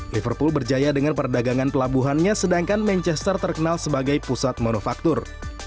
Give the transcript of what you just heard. liverpool berjaya dengan perdagangan pelabuhannya sedangkan manchester terkenal sebagai pusat manufaktur